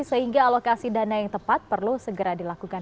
sehingga alokasi dana yang tepat perlu segera dilakukan